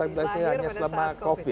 enam belas aplikasi hanya selama covid